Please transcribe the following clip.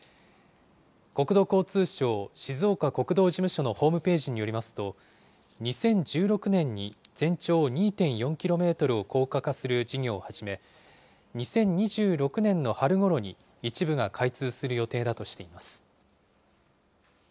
国土交通省静岡国道事務所のホームページによりますと、２０１６年に全長２．４キロメートルを高架化する事業を始め、２０２６年の春ごろに一部が開通する予定だとしています。